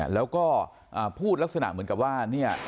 โทรมา